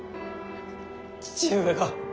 父上が！